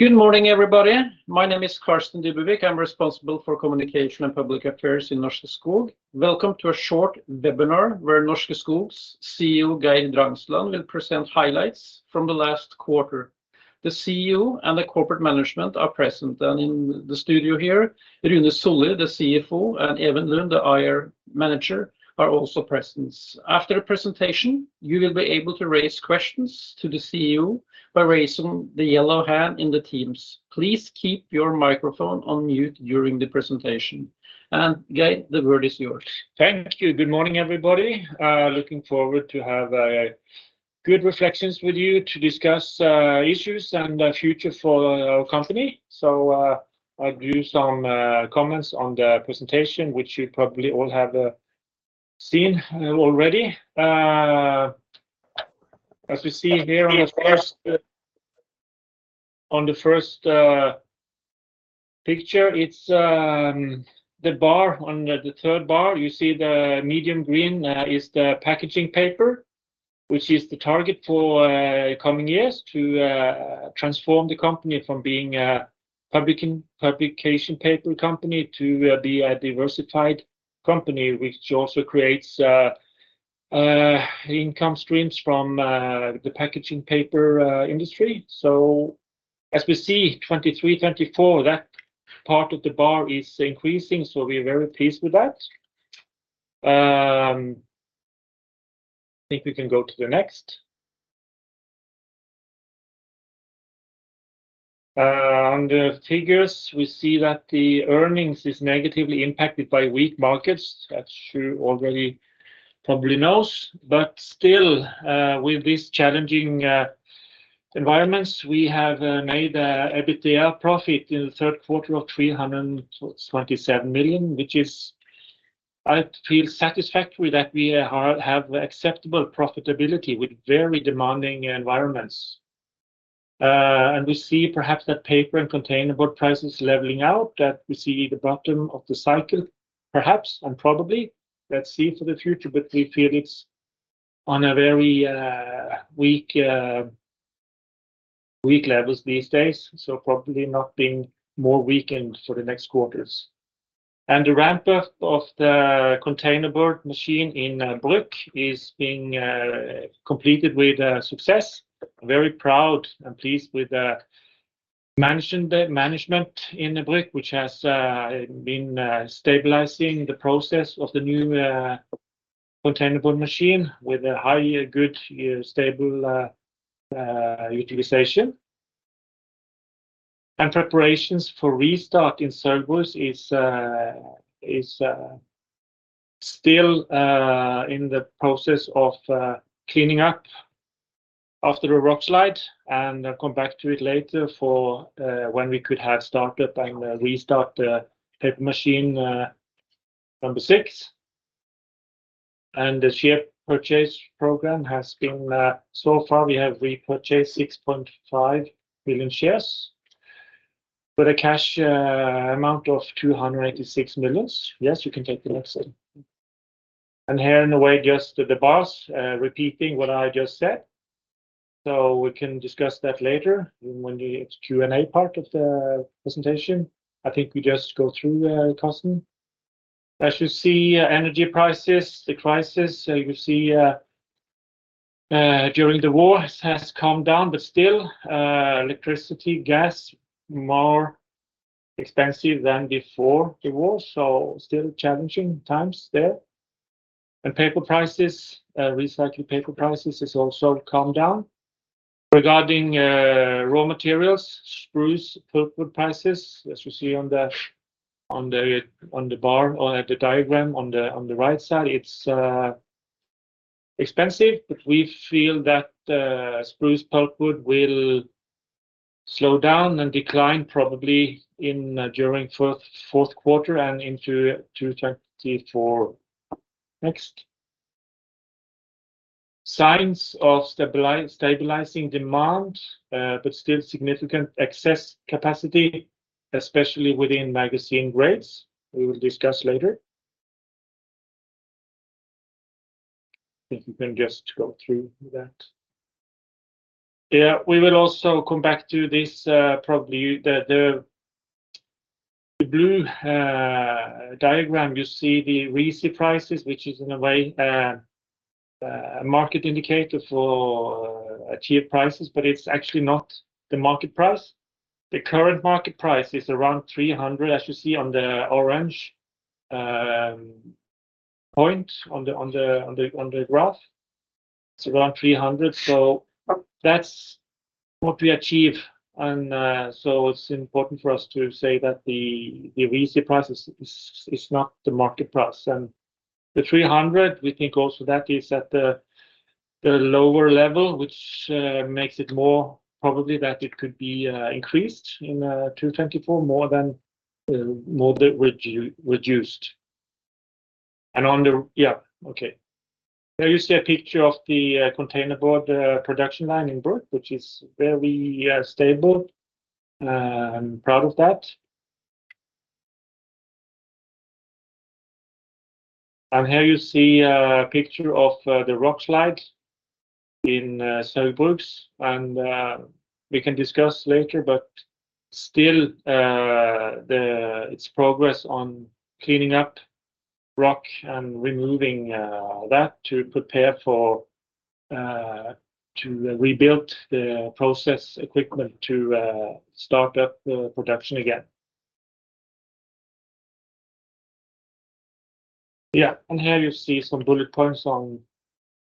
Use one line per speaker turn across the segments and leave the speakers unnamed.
Good morning, everybody. My name is Carsten Dybevig. I'm responsible for communication and public affairs in Norske Skog. Welcome to a short webinar where Norske Skog's CEO, Geir Drangsland, will present highlights from the last quarter. The CEO and the corporate management are present, and in the studio here, Rune Sollie, the CFO, and Even Lund, the I.R. Manager, are also present. After the presentation, you will be able to raise questions to the CEO by raising the yellow hand in the Teams. Please keep your microphone on mute during the presentation. Geir, the word is yours.
Thank you. Good morning, everybody. Looking forward to have a good reflections with you to discuss issues and the future for our company. I'll do some comments on the presentation, which you probably all have seen already. As you see here on the first picture, it's the bar, on the third bar, you see the medium green is the packaging paper, which is the target for coming years to transform the company from being a publishing, publication paper company to be a diversified company, which also creates income streams from the packaging paper industry. As we see, 2023, 2024, that part of the bar is increasing, so we are very pleased with that. I think we can go to the next. On the figures, we see that the earnings is negatively impacted by weak markets, as you already probably knows. Still, with these challenging environments, we have made a EBITDA profit in the third quarter of 327 million, which is, I feel, satisfactory that we are, have acceptable profitability with very demanding environments. We see perhaps that paper and containerboard prices leveling out, that we see the bottom of the cycle, perhaps and probably. Let's see for the future, but we feel it's on a very weak levels these days, so probably not being more weakened for the next quarters. The ramp-up of the containerboard machine in Bruck is being completed with success. Very proud and pleased with the managing, management in Bruck, which has been stabilizing the process of the new containerboard machine with a high, good, stable utilization. Preparations for restart in Saugbrugs is still in the process of cleaning up after a rockslide, and I'll come back to it later for when we could have startup and restart the paper machine number six. The share purchase program has been, so far we have repurchased 6.5 million shares, with a cash amount of 286 million. Yes, you can take the next slide. Here, in a way, just the bars repeating what I just said. We can discuss that later when the Q&A part of the presentation. I think we just go through, Carsten. As you see, energy prices, the crisis, you see, during the war has calmed down, but still, electricity, gas, more expensive than before the war, so still challenging times there. Paper prices, recycled paper prices has also calmed down. Regarding raw materials, spruce pulpwood prices, as you see on the bar or the diagram on the right side, it's expensive, but we feel that spruce pulpwood will slow down and decline probably during fourth quarter and into 2024. Next. Signs of stabilizing demand, but still significant excess capacity, especially within magazine grades. We will discuss later. If you can just go through that. Yeah, we will also come back to this, probably the blue diagram, you see the RISI prices, which is in a way a market indicator for achieved prices, but it's actually not the market price. The current market price is around 300, as you see on the orange point on the graph. It's around 300, so that's what we achieve. It's important for us to say that the RISI price is not the market price. The 300, we think also that is at the lower level, which makes it more probably that it could be increased in 2024, more than more reduced. On the... Yeah. Okay. There you see a picture of the containerboard production line in Bruck, which is very stable. I'm proud of that. Here you see a picture of the rockslide in Saugbrugs. We can discuss later, but still, it's progress on cleaning up rock and removing that to prepare to rebuild the process equipment to start up the production again. Yeah, and here you see some bullet points on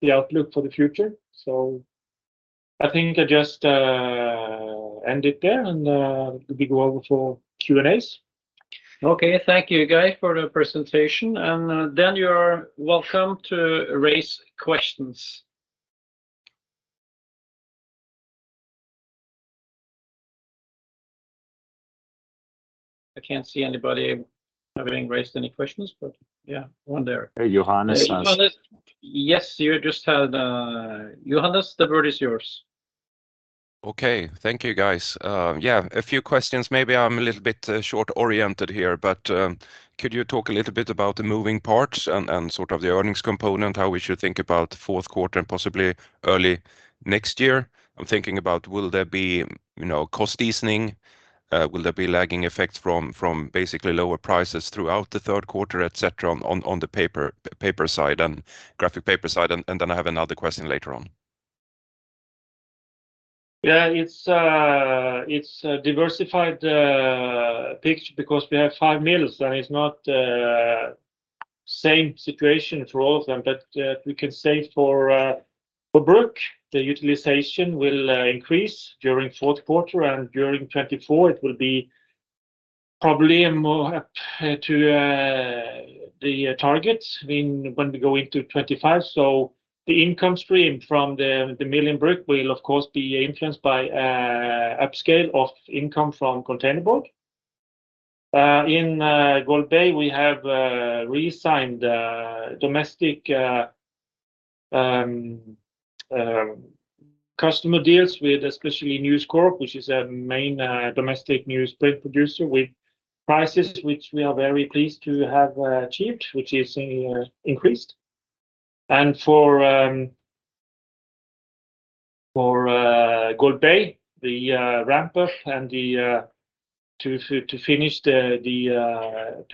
the outlook for the future. I think I just end it there, and we go over for Q&As.
Okay. Thank you, Geir, for the presentation. You are welcome to raise questions. I can't see anybody having raised any questions, but yeah, one there.
Hey, Johannes.
Johannes? Yes, Johannes, the word is yours.
Okay. Thank you, guys. Yeah, a few questions. Maybe I'm a little bit short-oriented here, but could you talk a little bit about the moving parts and sort of the earnings component, how we should think about fourth quarter and possibly early next year? I'm thinking about will there be, you know, cost easing? Will there be lagging effects from basically lower prices throughout the third quarter, et cetera, on the paper side and graphic paper side? I have another question later on.
Yeah, it's a diversified picture because we have five mills, and it's not same situation for all of them. We can say for Bruck, the utilization will increase during fourth quarter, and during 2024 it will be probably more up to the targets when we go into 2025. The income stream from the mill in Bruck will of course be influenced by a upscale of income from containerboard. In Golbey, we have re-signed domestic customer deals with especially News Corp, which is a main domestic newsprint producer, with prices which we are very pleased to have achieved, which is increased. For Golbey, the ramp-up and to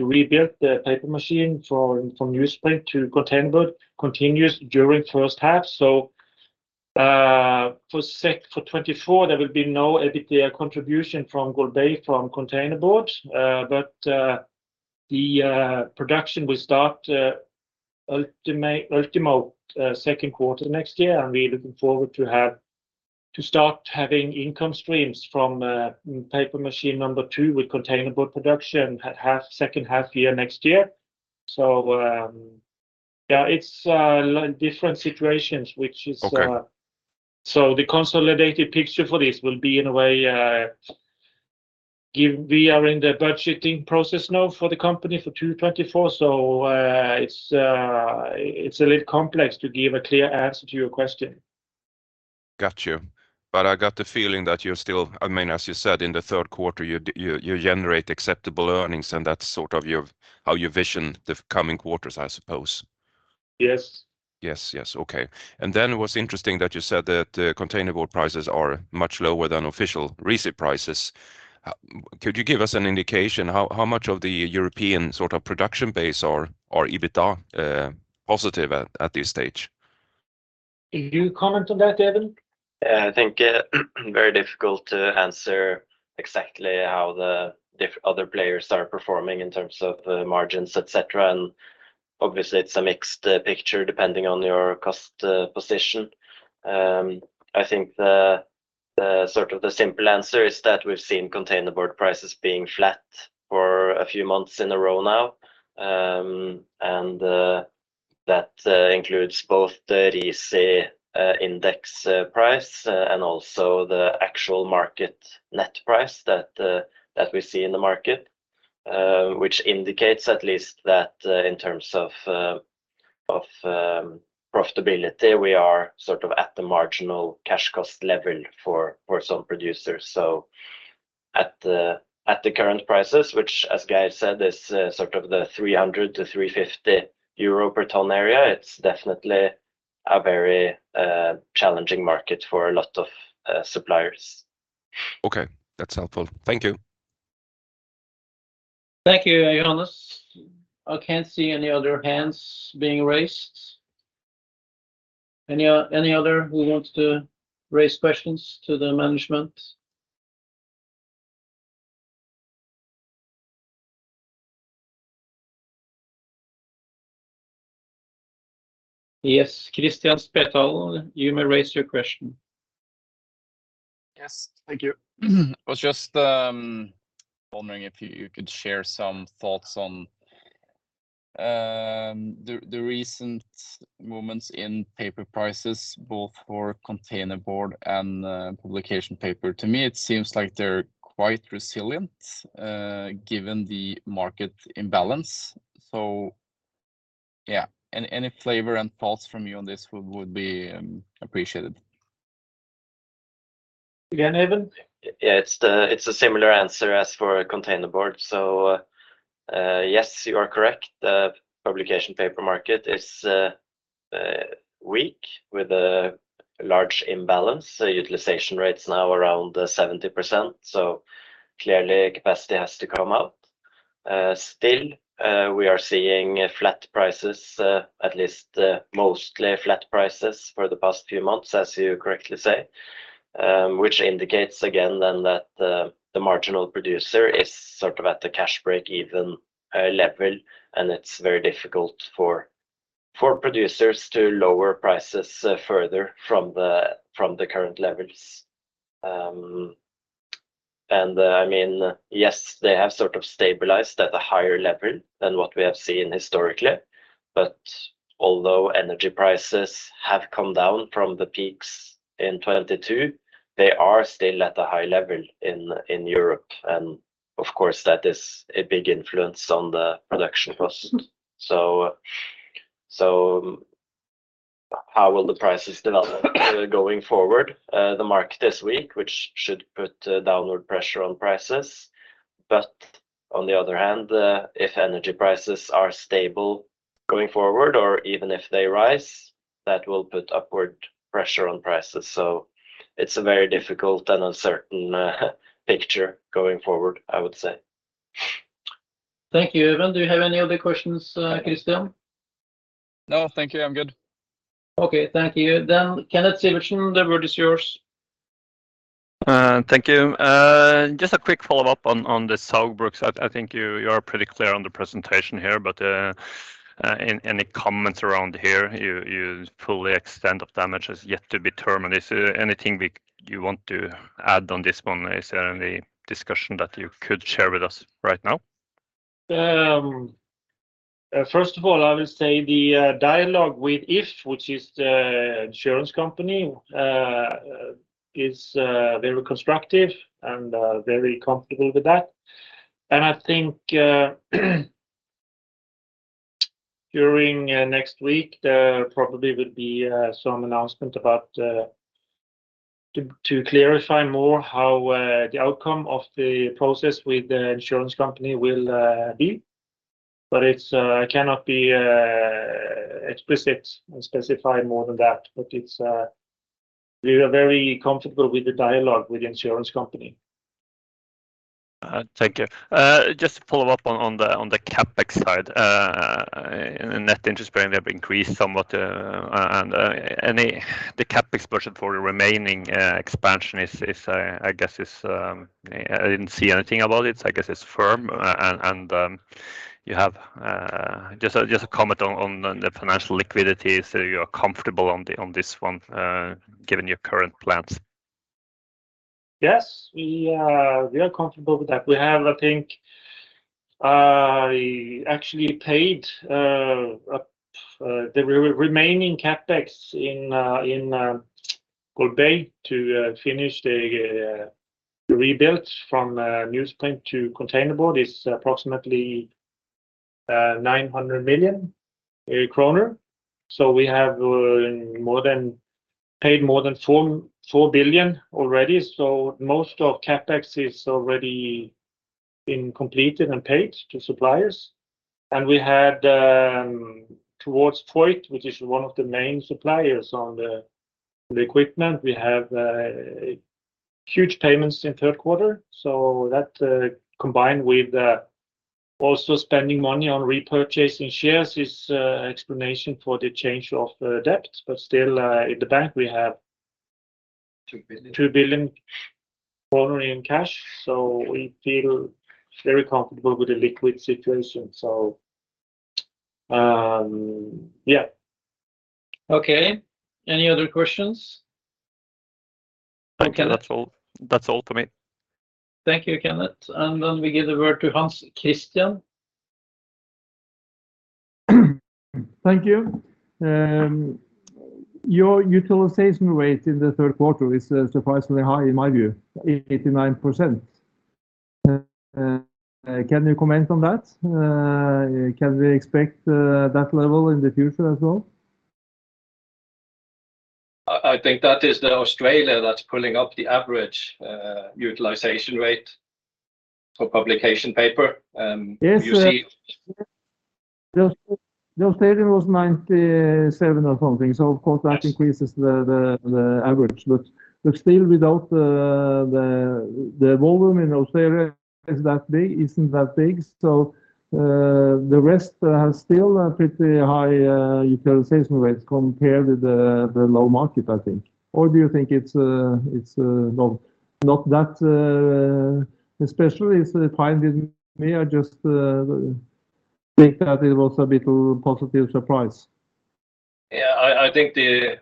rebuild the paper machine from newsprint to containerboard continues during first half. For 2024, there will be no EBITDA contribution from Golbey from containerboard. The production will start second quarter next year, and we're looking forward to start having income streams from paper machine number two with containerboard production at second half year next year. Yeah, it's different situations, which is-
Okay.
The consolidated picture for this will be, in a way. We are in the budgeting process now for the company for 2024, so it's a little complex to give a clear answer to your question.
Got you. But I got the feeling that you're still, I mean, as you said, in the third quarter, you generate acceptable earnings, and that's sort of how you vision the coming quarters, I suppose.
Yes.
Yes, yes. Okay. What's interesting that you said that containerboard prices are much lower than official RISI prices. Could you give us an indication how much of the European sort of production base are EBITDA positive at this stage?
Can you comment on that, Even?
Yeah, I think, very difficult to answer exactly how the other players are performing in terms of the margins, et cetera. Obviously, it's a mixed picture, depending on your cost position. I think the sort of the simple answer is that we've seen containerboard prices being flat for a few months in a row now. That includes both the RISI index price and also the actual market net price that we see in the market, which indicates at least that in terms of profitability, we are sort of at the marginal cash cost level for some producers. At the current prices, which as Geir said, is sort of the 300-350 euro per ton area, it's definitely a very challenging market for a lot of suppliers.
Okay, that's helpful. Thank you.
Thank you, Johannes. I can't see any other hands being raised. Any other who wants to raise questions to the management? Yes, Kristian Spetalen, you may raise your question.
Yes i do. I was just wondering if you could share some thoughts on the recent movements in paper prices both for containerboard and publication papers. To me it seems like they are quite resilient. Given the market imbalance so, and if there were any reports from you this would be appreciated.
Again, Even?
It's a similar answer as for containerboard. Yes, you are correct. The publication paper market is weak, with a large imbalance. Utilization rates now around 70%, so clearly capacity has to come out. Still, we are seeing flat prices, at least mostly flat prices for the past few months, as you correctly say. Which indicates again then that the marginal producer is sort of at the cash break-even level, and it's very difficult for producers to lower prices further from the current levels. I mean, yes, they have sort of stabilized at a higher level than what we have seen historically, but although energy prices have come down from the peaks in 2022, they are still at a high level in Europe, and of course, that is a big influence on the production cost. How will the prices develop going forward? The market is weak, which should put downward pressure on prices, but on the other hand, if energy prices are stable going forward, or even if they rise, that will put upward pressure on prices. It's a very difficult and uncertain picture going forward, I would say.
Thank you, Even. Do you have any other questions, Kristian?
No, thank you. I'm good.
Okay. Thank you. Kenneth Sivertsen, the word is yours.
Thank you. Just a quick follow-up on the Saugbrugs. I think you are pretty clear on the presentation here, but any comments around here? Full extent of damage is yet to be determined. Is there anything you want to add on this one? Is there any discussion that you could share with us right now?
First of all, I will say the dialogue with If, which is the insurance company, is very constructive and very comfortable with that. I think during next week, there probably will be some announcement about... To clarify more how the outcome of the process with the insurance company will be, but it's cannot be explicit and specified more than that. We are very comfortable with the dialogue with the insurance company.
Thank you. Just to follow up on the CapEx side, net interest-bearing have increased somewhat, and the CapEx budget for the remaining expansion is, I guess is, I didn't see anything about it, so I guess it's firm. Just a comment on the financial liquidity. You are comfortable on this one, given your current plans?
Yes, we are comfortable with that. We have, I think, actually paid the remaining CapEx in Golbey to finish the rebuild from newsprint to containerboard. It's approximately 900 million kroner. We have paid more than 4 billion already. Most of CapEx is already been completed and paid to suppliers. We had towards Voith, which is one of the main suppliers on the equipment, we have huge payments in third quarter. That, combined with also spending money on repurchasing shares, is explanation for the change of debt, but still in the bank, we have-
2 billion.
2 billion in cash, so we feel very comfortable with the liquid situation. So yeah.
Okay, any other questions?
Thank you. That's all, that's all for me.
Thank you, Kenneth. We give the word to Hans Christian.
Thank you. Your utilization rate in the third quarter is surprisingly high, in my view, 89%. Can you comment on that? Can we expect that level in the future as well?
I think that is the Australia that's pulling up the average utilization rate for publication paper.
Yes, uh-
You see.
The Australia was 97 or something, so of course-
Yes
That increases the average. Still, without the volume in Australia is that big, isn't that big, the rest has still a pretty high utilization rate compared with the low market, I think. Do you think it's not that especially? It's fine with me, I just think that it was a bit of a positive surprise.
Yeah, I think the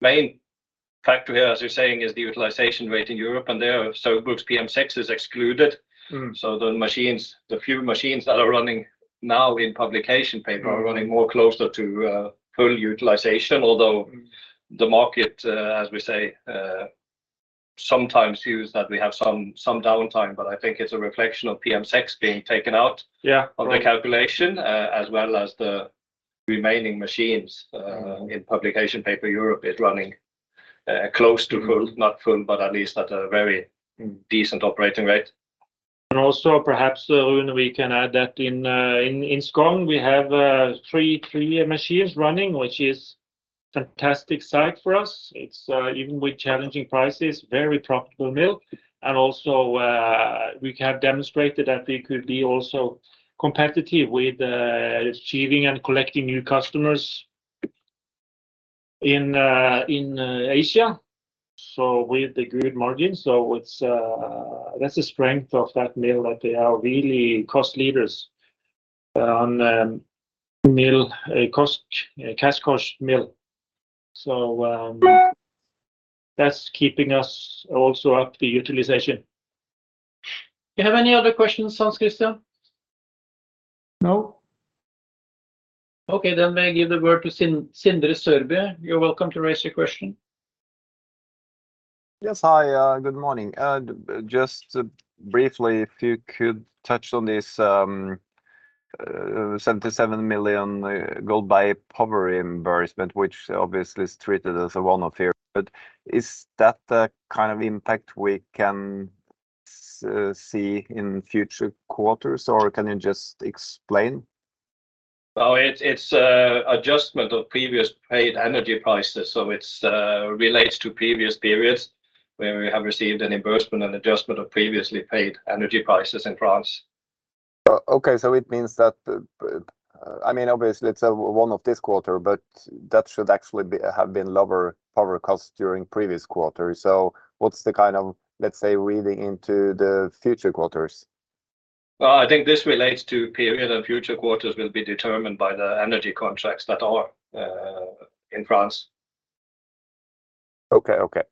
main factor here, as you're saying, is the utilization rate in Europe, and there Saugbrugs PM6 is excluded.
Mm.
The machines, the few machines that are running now in publication paper.
Mm
are running more closer to full utilization. Although
Mm
The market, as we say, sometimes seems that we have some downtime, but I think it's a reflection of PM6 being taken out.
Yeah, right
On the calculation as well as the. Remaining machines in publication paper Europe is running close to full, not full, but at least at a very decent operating rate.
Also perhaps, Rune, we can add that in Skogn, we have three machines running, which is fantastic site for us. It's even with challenging prices, very profitable mill. Also, we have demonstrated that we could be also competitive with achieving and collecting new customers in Asia. With the good margin, that's the strength of that mill, that they are really cost leaders on mill cost, cash cost mill. That's keeping us also up the utilization. You have any other questions, Hans Christian?
No.
Okay, then may I give the word to Sindre Sørbye. You're welcome to raise your question.
Yes. Hi, good morning. Just briefly, if you could touch on this 77 million Golbey power reimbursement, which obviously is treated as a one-off here, but is that the kind of impact we can see in future quarters, or can you just explain?
Oh, it's a adjustment of previous paid energy prices. It's relates to previous periods where we have received a reimbursement and adjustment of previously paid energy prices in France. Okay, so it means that, I mean, obviously, it's a one-off this quarter, but that should actually be, have been lower power costs during previous quarters. What's the kind of, let's say, reading into the future quarters? Well, I think this relates to period, and future quarters will be determined by the energy contracts that are in France.
Okay, okay.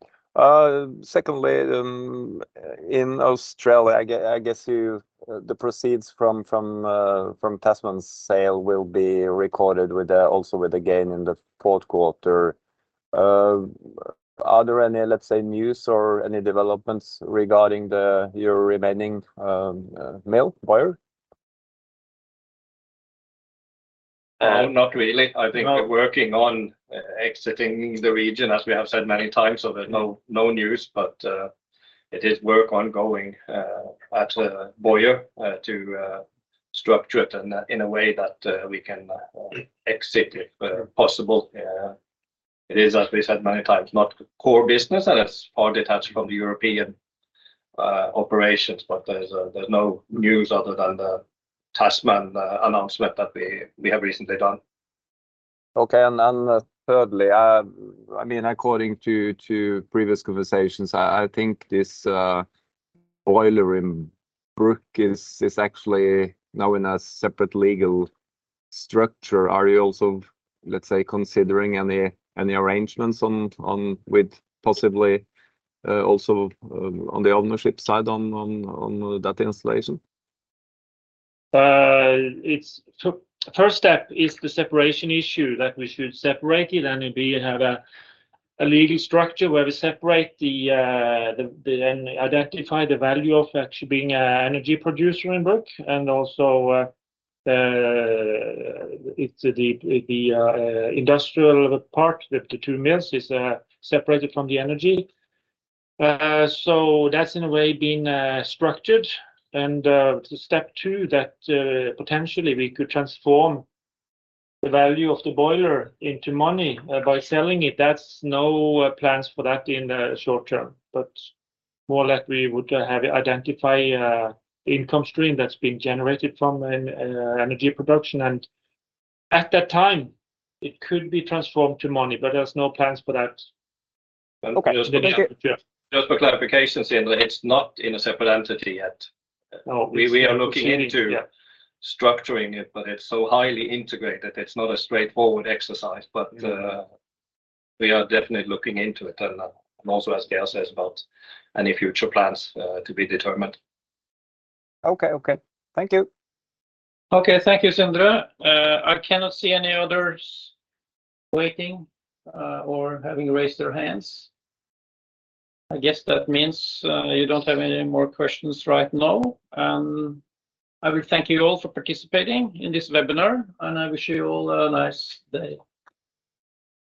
Secondly, in Australia, I guess the proceeds from Tasman sale will be recorded also with the gain in the fourth quarter. Are there any, let's say, news or any developments regarding your remaining mill, Boyer?
Not really.
No.
I think we're working on exiting the region, as we have said many times, so there's no news, but it is work ongoing at Boyer to structure it in a way that we can exit if possible. It is, as we said many times, not core business, and it's far detached from the European operations, but there's no news other than the Tasman announcement that we have recently done.
Okay, thirdly, I mean, according to previous conversations, I think this boiler in Bruck is actually now in a separate legal structure. Are you also, let's say, considering any arrangements on with possibly also on the ownership side on that installation?
It's so first step is the separation issue, that we should separate it, and we have a legal structure where we separate the and identify the value of actually being an energy producer in Bruck. Also, it's the industrial part that the two mills is separated from the energy. That's in a way being structured. Step two, that potentially we could transform the value of the boiler into money by selling it. That's no plans for that in the short term, but more like we would have identify income stream that's been generated from an energy production. At that time, it could be transformed to money, but there's no plans for that.
Okay.
Just for clarification, Sindre, it's not in a separate entity yet.
No,
We are looking into.
Yeah
Structuring it, but it's so highly integrated, it's not a straightforward exercise. We are definitely looking into it, and also, as Geir says, about any future plans to be determined.
Okay, okay. Thank you.
"Thank you, Sindre. I cannot see any others waiting or having raised their hands. I guess that means we don't have any other questions right now. I want to thank you all for participating in this webinar and i wish you all a nice day.